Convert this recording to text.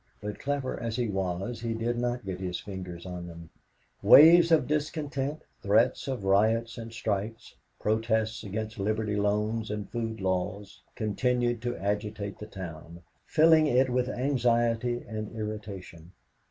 But clever as he was, he did not get his fingers on them. Waves of discontent, threats of riots and strikes, protests against liberty loans and food laws, continued to agitate the town, filling it with anxiety and irritation.